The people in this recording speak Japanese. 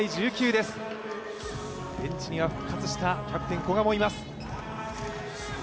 ベンチには復活したキャプテン・古賀もいます。